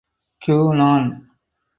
Guinan.